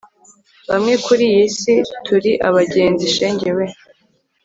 bamwe kuri iyi si turi abagenzi, shenge we